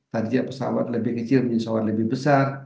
tadi pesawat lebih kecil menjadi pesawat lebih besar